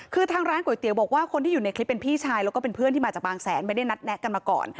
คือทางร้านก๋วยเตี๋ยวบอกว่าคนที่อยู่ในคลิปเป็นพี่ชายแล้วก็เป็นเพื่อนที่มาจากบางแสนไม่ได้นัดแนะกันมาก่อน